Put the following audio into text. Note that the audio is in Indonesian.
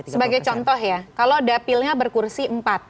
sebagai contoh ya kalau dapilnya berkursi empat